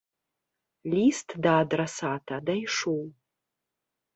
Ліст да адрасата дайшоў.